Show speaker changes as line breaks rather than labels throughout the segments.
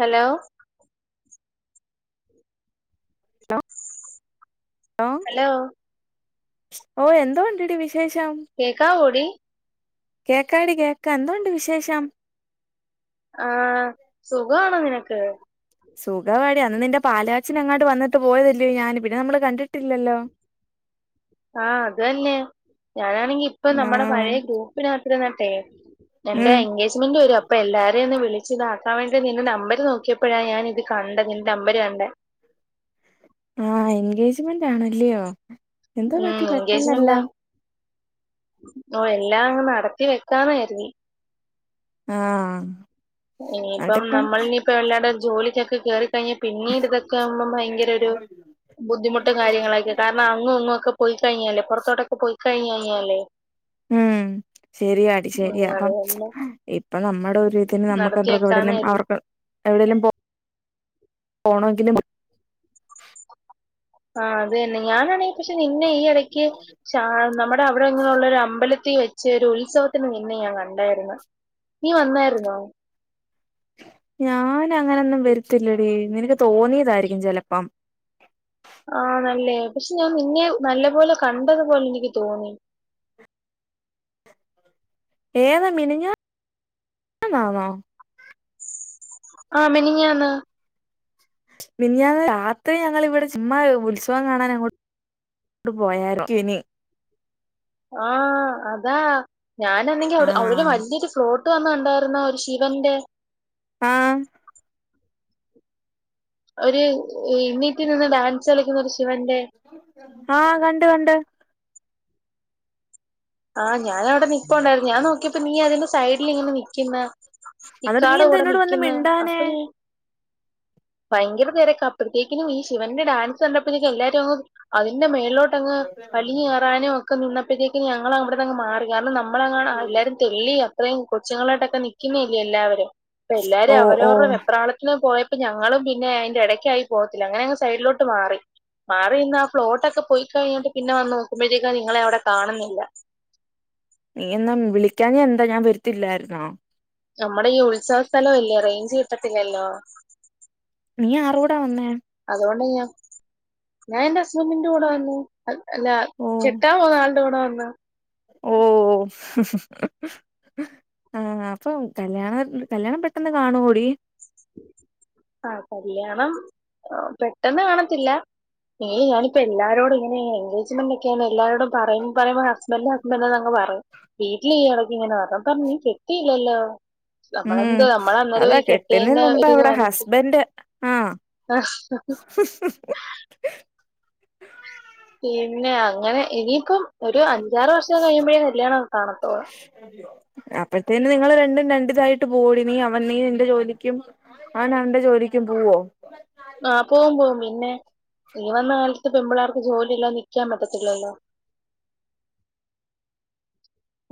Hello... hello
[unintelligible] ഓ എന്തോ. ണ്ടടി വിശേഷം
കേക്കാവോടി
കേക്കാടി കേക്കാ. എന്തോണ്ട് വിശേഷം.
ആഹ്, സുഖാണോ നിനക്ക്.?
സുഖവാടി അന്ന് നിന്റെ പാലാച്ചിനങ്ങാണ്ട് വന്നിട്ട് പോയതല്ലേ ഞാൻ പിന്നെ നമ്മള് കണ്ടിട്ടില്ലല്ലോ.
[inaudible] ആഹ് അതെന്നെ ഞാനാണെങ്കിപ്പൊ
ആഹ്
നമ്മടെപഴെ ഗ്രൂപ്പിനകത്തിരുന്നിട്ടെ.. എന്റെ
ഉം
എൻഗേജ്മെന്റ് വരാപ് പ്പൊ എല്ലാരെ ഒന്ന് വിളിച്ച്താക്കാൻ വേണ്ടി നിന്റെ നമ്പര് നോക്കിയപ്പഴാ ഞാൻ ഇത് കണ്ടത് നിന്റെ നമ്പര് കണ്ടെ.
ആഹ് എൻഗേജ്മെന്റ് ആണല്ലൃയോ.
ഉം
എന്ത്പറ്റി
എൻഗേജ്മെന്റാ
പെട്ടെന്നെല്ലാം.
ഓ എല്ലാങ്ങ് നടത്തി വെക്കാന്ന്കരുതി.
ആ.. ആഹ്
ഇനിയിപ്പം
അതിപ്പം
നമ്മൾനിയിപ്പം വെല്ലാടോം ജോലിക്കൊക്കെ കേറിക്കഴിഞ്ഞ്. പിന്നീട് ഇതൊക്കാവുമ്പം ഭയങ്കരൊരു ബുദ്ധിമുട്ടു കാര്യങ്ങളായ്, ക്ക കാരണം. അങ്ങു ഇങ്ങു ക്കെ. പുൽകയിഞ്ഞാല് പുറത്തോട്ടൊക്കെ പൊയ്കഴിഞ്ഞ യ്ഞ്ഞാലേ.
ഉം ശെരിയാടി ശെരിയാ
ഉം അത്
പ്പം
തന്നെ
ഹ് ഇപ്പൊ നമ്മടെ ഒ വീക്കെൻഡ് നമ്മക്ക്
നടത്തി
രണ്ട് പേർക്കും എവ്ടെലും
വെക്കാന്നായിരുന്നു.
അവർക്ക് എവിടെലും പോ പോണങ്കിലും
ആഹ് അതെന്നെ ഞാനാണെങ്കി പക്ഷെ നിന്നെ ഈ എടയ്ക്ക് ഷാ നമ്മൾ ദാ അവടെ എങ്ങനെയുള്ളെരു അമ്പലത്തീ വെ ചെ രുത്സവത്തിന് നിന്നെ ഞാൻ കണ്ടെയിര്ന്നു. നീ വന്നായിരുന്നോ. ജ്
ഞാനങ്ങനൊന്നും വര്ത്തില്ലെടീ. നിനക്ക് തോന്നിയതായിരിക്കും ചെലപ്പം.
ആണല്ലേ പക്ഷെ ഞാൻ നിന്നെ നല്ലപോലെ കണ്ടതുപോലെ നിക്ക്തോന്നി.
ഏതാ മിനിഞ്ഞ ന്നാന്നേ.
ആ മിനിഞ്ഞാന്ന്
മനിഞാന്ന് രാത്രി ഞങ്ങിവിടെ ചുമ്മാ ഉത്സവം കാണാൻ അങ്ങോട്ട് ട്ട് പോയായിരിക്കുനി.
ആ അതാ ഞാനെന്നെങ്കി അവ്ടെ അവിടെരു
ആഹ്
വലൃയൊരു ഫ്ലോ ത് വന്ന്കണ്ടായിരുന്നേ ഒരു ശിവന്റെ.
ആഹ്
ഒരു ണീറ്റ് നിന്ന് ഡാൻസ് കളിക്കുന്ന ഒരു ശിവന്റെ?
ആഹ് കണ്ട്. കണ്ട്.
ആഹ് ഞാനവിടെ നിപ്പുണ്ടായിരുന്നു ഞാ നോക്കിയപ്പോ നീ അതിന്റെ സൈഡിലിങ്ങനെ നിക്ക്ന്ന്
അന്നിട്ട് നീ
ഇക്കാടെ
എന്താ
കൂടെ
എന്നോട് വന്ന്
നിക്ക്ന്ന്
മിണ്ടാനേ
അപ്പെയ്. ഭയങ്കരതിരക്കാ അപ്പഴ്ത്തേക്കിനും ഈ ശിവന്റെ ഡാൻസ് കണ്ടപ്പോതേക്കും എല്ലാരും അതിന്റെ മേൾളേ ട്ടങ്ങ് വലിഞ്ഞ് കേറാനും ഒക്കെ നിന്നപ്പോഴത്തേക്കും ഞങ്ങൾ അവിട്ന്നങ്ങ് മാറി കാരണം നമ്മളെങ്ങാണും എല്ലാരും. തുള്ളിയ മക്കളെയും കൊച്ചുങ്ങളായിട്ടൊക്കെ നൽക്കുന്നേല്ല്യൊ എല്ലാവരും അപ്പ എല്ലാരും
ഓ ഓ
അവരവരുടെ വെപ്രാളത്തിന് പോയ ഞങ്ങളും പിന്നെ അയിന്റെടക്കായി പോകത്തില്ലേ അങ്ങനെയങ്ങ് സൈഡിലോട്ട് മാറി മാറി നിന്നാ ഫ്ലോട്ടൊക്കെ പോയിക്കഴിഞ്ഞിട്ട് പിന്നെ വന്ന് നോക്കുമ്പോഴത്തേക്ക്‌ നിങ്ങളെയവടെ കാണുന്നില്ല
നീ എന്നാ വിളിക്കാഞ്ഞെന്താ ഞാൻ വരത്തില്ലാരുന്നോ
നമ്മടെയീ ഉത്സവസ്ഥലവല്ലേ റേഞ്ച് കിട്ടത്തില്ലല്ലോ
നീ ആരെ കൂടെ വന്നേ
അതുകൊണ്ട ഞാ ഞാനെന്റെ ഹസ്ബൻറിന്റെ കൂടെ വന്നു അ അല്ല
ഓ
കെട്ടാൻ പോവ്ന്ന ആളിന്റെ കൂടെ വന്ന
ഓഹ് ആഹ് അപ്പൊ കല്യാണ കല്യാണം പെട്ടെന്ന് കാണുവോടി
[inaudible] ആഹ് കല്യാണം പെട്ടെന്ന് കാണത്തില്ല ഏയ് ഞാനിപ്പോ എല്ലാരോടും ഇങ്ങനെ എൻഗാജ്മെന്റക്കെയാണ് എല്ലാരോടും പറയു പറയുമ്പൊ ഹസ്ബൻഡ് ഹസ്ബൻഡന്നങ് പറയും വീട്ടിലീയെടക്കിങ്ങനെ പറഞ് അപ്പ നീ കെട്ടിയില്ലല്ലോ
മ്മ്
നമ്മളെന്തോ നമ്മളന്നേരം
അതാ
ഈ
കെട്ടുന്നേ
കെട്ടിയതിന്റെ
മുമ്പവടെ ഹസ്ബന്റ് ആഹ്
ആഹ്
മ്മ് ഹ്
പിന്നെ അങ്ങനെ ഇനിയിക്കം ഒരു അഞ്ചാറ് വർഷം കഴിയുമ്പോഴേ കല്യാണം കാണത്തൊള്
അപ്പഴത്തേന് നിങ്ങള് രണ്ടും രണ്ടിതായിട്ട് പോവോടി നീ അവൻ നീ നിന്റെ ജോലിക്കും അവനവന്റെ ജോലിക്കും പോവോ
ആ പോവും പോവും പിന്നെ ഇനി വന്ന കാലത്ത് പെമ്പിള്ളാർക്ക് ജോലി ഇല്ലാതെ നിക്കാൻ പറ്റത്തില്ലല്ലോ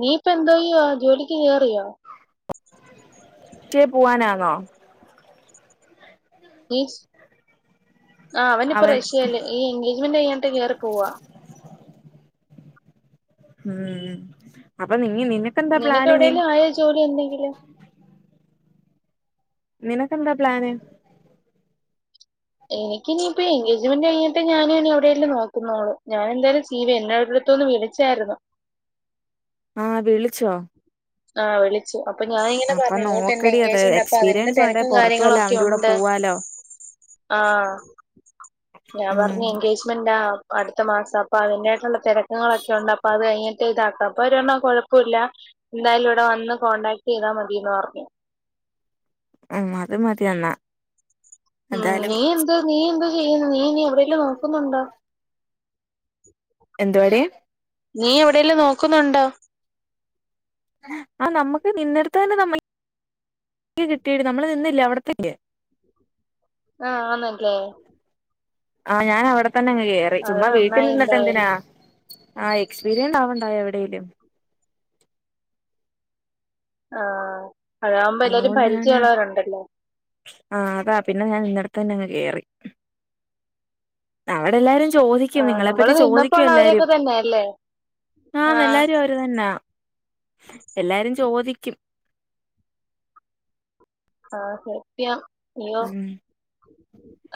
നീയിപ്പെന്തോയ്യാ ജോലിക്ക് ക്കെറിയോ
റ്റ് പോവാനാന്നൊ
ശ് ആ അവനിപ്പൊ
അവൻ
റഷ്യെല് ഈ എൻഗേജ്മെന്റ് കഴഞ്ഞിട്ട് കെറി പോവാ
മ്മ് അപ്പൊ നിങ്ങ നിന
നിനക്കെവിടെേലും ആയ ജോലി എന്തെങ്കിലും
നിനക്കെന്താ പ്ലാന്
എനിക്കിനിയിപ്പോ എൻഗേജ്മെന്റ് കഴിഞ്ഞിട്ടെ ഞാനുനിയെവിടേലും നോക്കുന്നൊള്ളോ ഞാൻ എന്തായാലും സീ വി എന്നേയോരിടത്തുനിന്ന് വിളി ച്ചായരുന്നു
ആ വിളിച്ചോ
ആഹ് വിളി ച്ചു അപ്പൊ ഞാനിങ്ങനെ
അപ്പൊ
പറഞ്ഞങ്ങോട്ട് എന്റെ
നോക്കടി അത്
എൻഗേജ്മെന്റ അപ്പൊ അതിന്റെ
എക്സ്പീരിയൻസ് ഉണ്ടേ
തെരക്കും
പുറത്തു വല്ല
കാര്യങ്ങളൊക്കെ
അവന്റെ കൂടെ
ഒണ്ട്
പോവാലോ
ആഹ് ഞാൻ
ഉം
പറഞ് എൻഗേജ്മെന്റാ ആ അടുത്ത മാസം അപ്പൊ അതിന്റെയായിട്ടുള്ള തെരക്കങ്ങളൊക്കെയുണ്ട് അപ്പൊ അത് കഴിഞ്ഞിട്ടിതാക്കാ അപ്പൊ അവര് പറഞ്ഞു കൊഴപ്പോല്ല എന്തായാലുവിടെ വന്ന് കോൺടാക്ട് ചെയ്ത മതിന്ന് പറഞ്ഞു
മ്മ് അത് മതിയെന്നാ
മ്മ് നീ എന്തോ നീ എന്തോ ചെയ്യുന്നു നീ ഇനി എവിടെലും നോക്കുന്നോണ്ടോ [inaudible]
എന്തുവാടി
നീയെവടേലും നോക്കുന്നൊണ്ടോ
ആഹ് നമ്മക്ക് നിന്നെടുത്തന്നെ നമ്മ കിട്ടിടി നമ്മള് നിന്നില്ലേ അവിടത്തന്നേ
ആഹ് ആന്നല്ലേ
ആഹ് ഞാൻ അവടെ തന്നങ്ങ് കേറി
അത്
ചുമ്മാ വീട്ടി
നന്നായി
നിന്നിട്ടെന്തിനാ
എന്തായാലും
ആഹ് എക്സ്പീരിയൻണ്ടാവണ്ടായൊ എവിടേലും
ആഹ് അതാവുമ്പോ എല്ലാരും
അതുകൊണ്ട് ഞാന്
പരിചയോള്ളോരോണ്ടല്ലോ
ആഹ് അതാ പിന്നെ ഞാൻ നിന്നടുത്ത് തന്നെങ്ങ് കേറി അവടെല്ലാരും
ആ
ചോദിക്കും നിങ്ങളെ പറ്റി
നമ്മള് നിന്നപ്പോ
ചോദിക്കും
ഉള്ള
എല്ലാരും
അവരൊക്കെ തന്നെ അല്ലേ ആ
ആന്ന് എല്ലാരു വര് തന്നാ എല്ലാരും ചോദിക്കും
ആഹ് സത്യം അയ്യോ
ഉം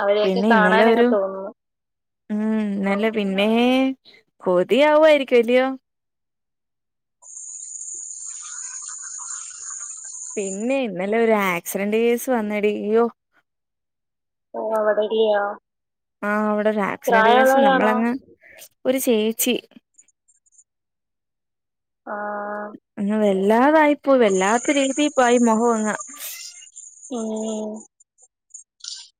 അവരെയൊക്കെ
പിന്നെ ഇന്നലെ
കാണാനൊക്കെ
ഒരു
തോന്നുന്നു
ഉം ന്നല്ല പിന്നെ കൊതിയാവുവാ യിരിക്കും ഇല്ലയോ പിന്നെ ഇന്നലെ ഒരു ആക്സിഡന്റ് കേസ് വന്നടി ഉയ്യോ
ഓഹ് [unintelligible]
ആഹ് അവിടെ ആക്സിഡൻറ്റ് കേസ് നമ്മളങ്ങ് ഒരു ചേച്ചി
ആഹ്
അങ്ങ് വല്ലാതായി പോയി വല്ലാത്ത രീതി പോയി മുഖം അങ്ങ്
ഉം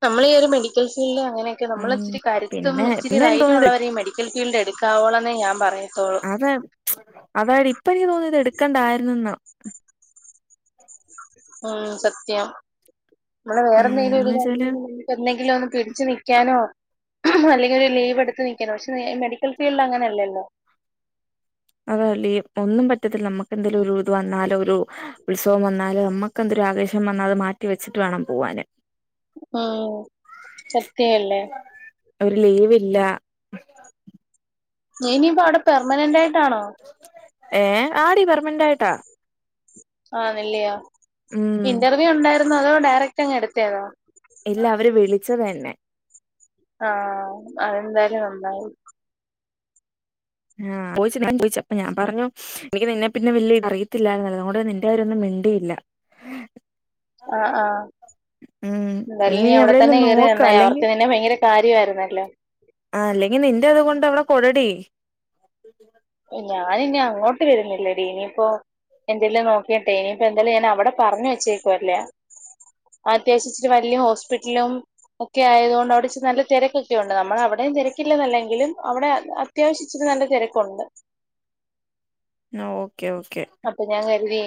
നമ്മളി ഈയൊരു മെഡിക്കൽ ഫീൽഡിൽ അങ്ങനെ ക്കും നമ്മള
ഉം
ഇച്ചിരി കരുത്തും
പിന്നെ
ഇച്ചിരി
പിന്നെ എനിക്ക് തോന്നിയത്
ധൈര്യമുള്ളവരെ ഈ മെഡിക്കൽ ഫീൽഡ് എടുക്കാവുള്ളെന്നേ ഞാൻ പറയത്തോള്ളൂ
അത് അതാടി ഇപ്പ എനിക്ക് തോന്നുന്നു ഇത് എടുക്കേണ്ടായിരുന്നന്നാ
ഉം സത്യം നമ്മള് വേറെ
ഉം
എന്തെങ്കിലും
എന്ന്
ഒരു
വെച്ചാല്
[inaudible] എന്തെങ്കിലും ഒന്ന് പിടിച്ച് നിക്കാനോ അല്ലെങ്കില് ലീവ് എടുത്ത് നിക്കാനോ പഷേ മെഡി ക്കൽ ഫീൽഡ് അങ്ങനെയല്ലല്ലോ
അതുവല്ല ഈ ഒന്നും പറ്റത്തില്ല നമുക്ക് എന്തെലും ഒരു ഇത് വന്നാലോ ഒരു ഉത്സവം വന്നാലോ നമ്മ ക്കെന്തൊരാവേശം വന്നാത് മാറ്റി വെച്ചിട്ട് വേണം പോവാന്
ആഹ്‌ സത്യ അല്ലേ
ഒരു ലീവില്ല
നീയിനിപ്പോ അവടെ പെർമനൻറ്റായിട്ടാണോ?
ഏഹ് ആടി പെർമനൻറ്റായിട്ടാ
ആന്ന്ല്ലയോ
ഉം
ഇന്റർവ്യൂ ഒണ്ടാരുന്നോ അതോ ഡയറക്റ്റ് അങ്ങ് എടുത്തേയാണോ
ഇല്ല അവര് വിളിച്ചതാ എന്നെ
ആഹ് അതെന്തായാലും നന്നായി
ആഹ് [unintelligible] ഞാ ചോയിച്ച് അപ്പോ ഞാ പറഞ്ഞു എനിക്ക് നിന്നെ പിന്നെ വല്യേ അറിയത്തില്ലാരുന്നല്ലോ അതുകൊണ്ട് നിന്റെ കാര്യവൊന്നും മിണ്ടില്ല
[inaudible] ആഹ് ആഹ്
ഉം
എന്തായാലും നീ
ഇനി എവിടെലും
അവടെത്തന്നെ കേറിത്
നോക്ക
നന്നായി അവർക്ക്
അല്ലെങ്കിൽ
നിന്നെ ഭയങ്കര കാര്യവാരുന്നല്ലേ
ആഹ്‌ അല്ലെങ്കി നിന്റെ അതുകൊണ്ട് അവടെ കൊടടി
ഞാനിനി അങ്ങോട്ട് വരുന്നില്ലടി ഇനിപ്പോ എന്തെലും നോക്കിട്ടെ ഇനിപ്പോ എന്തായാലും ഞാൻ അവിടെ പറഞ്ഞ് വെച്ചേക്കുവല്ലേ അത്യാവശ്യം ഇച്ചിരി വല്യ ഹോസ്പിറ്റ്ലും ഒക്കെ ആയതുകൊണ്ട് അവടെ ഇച്ചിരി നല്ല തെരക്കൊക്കെ ഒണ്ട് നമ്മളവടെയും തെരക്കില്ലെന്നല്ലെങ്കിലും അവടെ അത്യാവശ്യച്ചിരിനല്ല തെരക്കോണ്ട്
എന്നാ ഓക്കേ ഓക്കേ
അപ്പൊ ഞാൻ കരുതി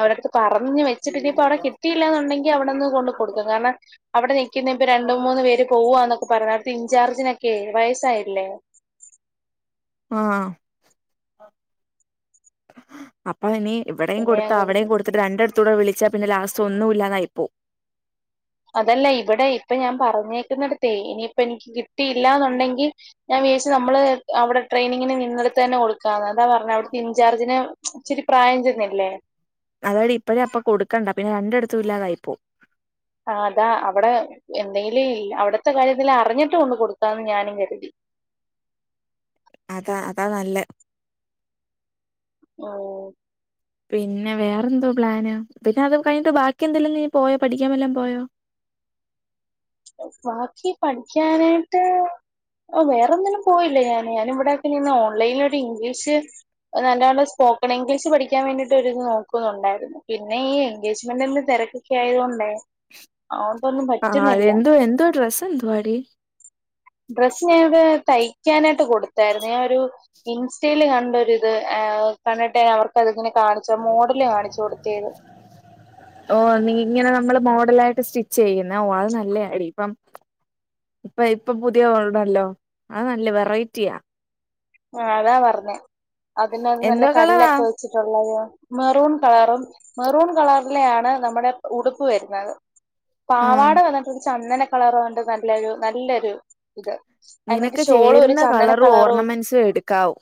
അവിടടുത്ത് പറഞ്ഞ് വെച്ചിട്ടിനിയിപ്പ അവിടെ കിട്ടിയില്ലാന്നുണ്ടെങ്കി അവിടെന്ന് കൊണ്ട് കൊടുക്കും കാരണം അവിടെ നിക്കുന്ന ഇപ്പൊ രണ്ടു മൂന്ന് പേര് പോവാന്നൊക്കെ പറഞ്ഞു അവിടുത്തെ ഇൻചാർജിനൊക്കെ വയസായില്ലേ
ആഹ് അപ്പ ഇനി ഇവിടെയും
പിന്നെ ഞാൻ
കൊടുത്താ അവിടെയും
കരുതി
കൊടുത്തിട്ട് രണ്ട അടുത്തൂടെ വിളിച്ചാ പിന്നെ ലാസ്റ്റ് ഒന്നും ഇല്ലാതായിപ്പോവും
അതല്ല ഇവിടെ ഇപ്പൊ ഞാൻ പറഞ്ഞേക്കുന്നിടത്തേ ഇനിയിപ്പ എനിക്ക് കിട്ടിയില്ലാന്നുണ്ടെങ്കി ഞാൻ വിചാരിച്ചു നമ്മള് അവിടെ ട്രയിനിങ്ങിന് നിന്നടുത്തന്നെ കൊടുക്കാന്ന് അതാ പറഞ്ഞെ അവിടുത്തെ ഇൻചാർജിന് ഇച്ചിരി പ്രായം ചെന്നില്ലേ
അതാടി ഇപ്പഴേ അപ്പൊ കൊടുക്കണ്ടാ പിന്നെ രണ്ടടുത്തും ഇല്ലാതായിപ്പോം
ആ അതാ അവിടെ എന്തെങ്കിലും അവിടുത്തെ കാര്യത്തിൽ അറിഞ്ഞിട്ട് കൊണ്ട് കൊടുക്കാന്ന് ഞാനും കരുതി
അതാ അതാ നല്ലേ
ഓഹ്
പിന്നെ വേറെന്തോ പ്ലാന് പിന്നെ അത് കഴിഞ്ഞിട്ട് ബാക്കി എന്തെല്ലും നീ പോയോ പഠിക്കാൻ വല്ലോം പോയോ
ബാക്കി പഠിക്കാനായിട്ട് വേറെൊന്നിനും പോയില്ല ഞാന് ഞാൻ ഇവിടെക്കെ നിന്ന് ഓൺലൈന് ഒരു ഇംഗ്ലീഷ് നല്ല നല്ല സ്പോക്കൺ ഇംഗ്ലീഷ് പഠിക്കാൻ വേണ്ടിയിട്ട് നോക്കുന്നുണ്ടായിരുന്നു പിന്നെ ഈ എൻഗേജ്മെന്റിന്റെ തിരക്ക് ക്കെ ആയത് കൊണ്ടേ അതോണ്ടൊന്നും പറ്റുന്നില്ല
ഇപ്പെന്തുവാ ഡ്രസെന്തുവാടി
ഡ്രസ്സ് ഞാനിവിടെ തയ്ക്കാനായിട്ട് കൊടുത്തായിരുന്നു ഞാ ഒരു ഇൻസ്റ്റയില് കണ്ടൊരിത് ആ കണ്ടിട്ടെ അവർക്കതൊന്ന് കാണി ച്ച മോഡല് കാണിച്ചു കൊടുത്തേതു
ഓഹ് നീ ഇങ്ങനെ നമ്മള് മോഡലായിട്ട് സ്റ്റിച്ച് ചെയ്യുന്ന ഓ അത് നല്ലാടി ഇപ്പം ഇപ്പ ഇപ്പൊ പുതിയ ഓണ്ടല്ലോ അത് നല്ല വെറൈറ്റിയാ
ആ അതാ പറഞ്ഞേ അതിനാത്ത് നല്ല
എന്തോ കളറാ
കല്ലൊക്കെ വെച്ചിട്ടുള്ളത് മെറും കളറും മെറൂൺ കളറിലെആണ് നമ്മുടെ ഉടുപ്പ് വരുന്നത്
ആഹ്
പാവാട വന്നിട് ഒരു ചന്ദന കളറണ്ട് നല്ലൊരു നല്ലൊരു ഇത് എന്നിട്ട്
നിനക്ക്
ഷോളും ഒരു
ചേരുന്ന
ചന്ദന
കളറും ഓർണമെന്റ്സും എടുക്കാവു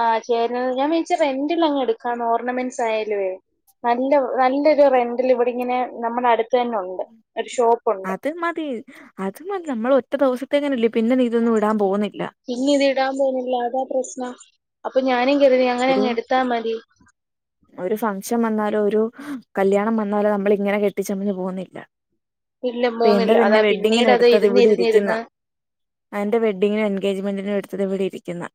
ആ ചേര്ന്ന ഞാൻ വിചാരിച്ചു റെന്റിലങ്ങ് എടുക്കാ ഓർണമെന്റ്സ് ആയാലുമേ നല്ല നല്ലൊരു റെന്റിലിവിടിങ്ങനെ നമ്മുടെ അടുത്തന്നെ ഉണ്ട് ഒരു ഷോപ്പുണ്ട്
അത് മതി അത് മതി നമ്മളൊറ്റ ദിവസത്തേക്കല്ലേ പിന്നെ നീ ഇതൊന്നും ഇടാൻ പോന്നില്ല
പിന്നിതിടാൻ പോന്നില്ല അതാ പ്രശ്നം അപ്പൊ ഞാനും കരുതി അങ്ങനെ
ഒരു
അങ്ങ് എടുത്താ മതി
ഒരു ഫംഗഷൻ വന്നാലോ ഒരു കല്ല്യാണം വന്നാലോ നമ്മളിങ്ങനെ കെട്ടിച്ചമഞ്ഞ് പോന്നില്ല
ഇല്ല
ഇപ്പ എൻ്റെ
പോന്നില്ല
തന്നെ
അതാ പിന്നീട് അത്
വെഡ്ഡിങ്ങിനെടുത്തത് ഇവിടെ
ഇരുന്നിരുന്നിരുന്ന്
ഇരിക്കുന്ന് ആഹ് അന്റെ വെഡിങ്ങിനും എൻഗേജ്മെന്റിനും എടുത്തത് ഇവിടെ ഇരിക്കുന്ന്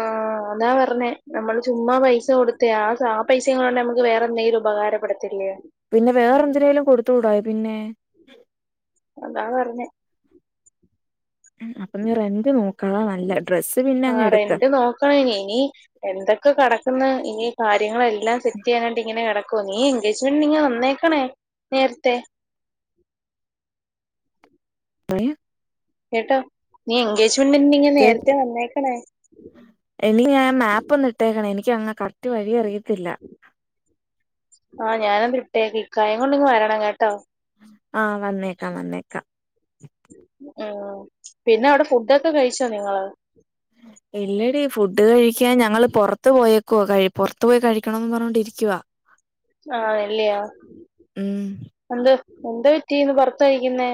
ആഹ് ആ അതാ പറഞ്ഞേ നമ്മള് ചുമ്മാ പൈസ കൊടുത്തെയാ ആ പൈസയും കൂടെ ഒണ്ടേ വേറെന്തെങ്കിലും ഉപകാരപ്പെടുത്തില്ലോ
പിന്നെ വേറെന്തിനേലും കൊടുത്തു വിടാം പിന്നെ
അതാ പറഞ്ഞെ
അപ്പൊ നി റെന്റ് നോക്കണതാ നല്ലെ ഡ്രസ്സ് പിന്നെ അങ്ങ് എടുക്ക്
ഇനിഎന്തൊക്കെ കെടക്ക്ന്ന് ഇനി കാര്യങ്ങളെല്ലാം സെറ്റ് ചെയ്യാനാട്ട് ഇങ്ങനെ കട നീ എൻഗേജ്മെന്റിന് വന്നേക്കണേ നേരത്തെ കേട്ടോ നീ എൻഗേജ്മെന്റിനു നേരത്തെ വന്നേക്കണേ
എടി ആ മാപ്പ് ഒന്നിട്ടേക്കണെ ഇനിക്കങ്ങ് കറക്റ്റ് വഴി അറിയത്തില്ല
ആഹ് ഞാനതിട്ടേക്കാം ഇക്കായേം കൊണ്ട് ഇങ്ങ് വരണം കേട്ടോ
ആ വന്നേക്കാം വന്നേക്കാം
പിന്നവിടെ ഫുഡൊക്കെ കഴിച്ചോ നിങ്ങള്
ഇല്ലടി ഫുഡ് കഴിക്കാൻ ഞങ്ങള് പൊറത്ത് പോയേക്കുവ പുറത്തു പോയി കഴിക്കണന്ന് പറഞ്ഞോണ്ടിരിക്കുവ
ആ ആന്നല്ലിയോ
ഉം
എന്ത് എന്തുപറ്റിന്ന് പുറത്തഴിക്കുന്നേ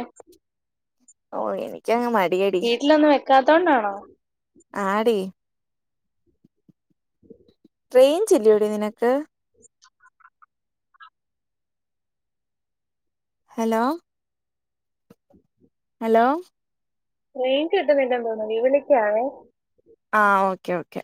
ഓഹ് എനിക്കങ്ങ് മടിയെടി
വീട്ടിലൊന്നും വെക്കാത്തൊണ്ടാണോ
ആടി റൈഞ്ച ഇല്ലോടി നിനക്ക് ഹലോ ഹലോ
റൈഞ്ച് കിട്ടുന്നില്ല ല്ലാ തോന്നുന്നു വിളക്കാ വെ
ആഹ് ഓക്കെ ഓക്കെ